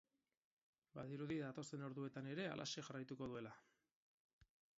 Badirudi datozen orduetan ere halaxe jarraituko duela.